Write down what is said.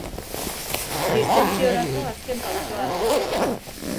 Distentsiorako azken pausoa da.